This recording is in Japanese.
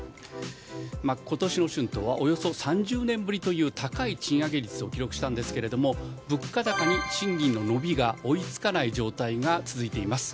今年の春闘はおよそ３０年ぶりという高い賃上げ率を記録したんですけども物価高に賃金の伸びが追いつかない状態が続いています。